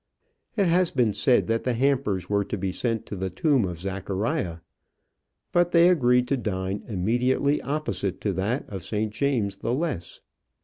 It has been said that the hampers were to be sent to the tomb of Zachariah; but they agreed to dine immediately opposite to that of St. James the Less.